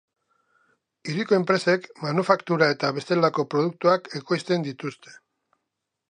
Hiriko enpresek, manufaktura eta bestelako produktuak ekoizten dituzte.